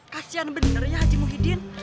kasian bener ya haji muhyiddin